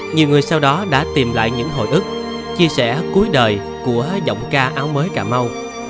nhiều người sau đó đã tìm lại những hồi ức chia sẻ cuối đời của giọng ca áo mới cà mau